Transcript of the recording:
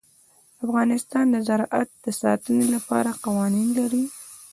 افغانستان د زراعت د ساتنې لپاره قوانین لري.